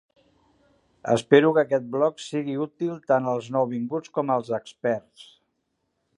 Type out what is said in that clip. Espero que aquest blog sigui útil tant als nouvinguts com als experts.